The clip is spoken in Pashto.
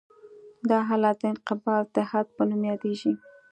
دا حالت د انقباض د حد په نوم یادیږي